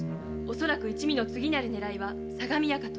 恐らく一味の次なる狙いは相模屋かと。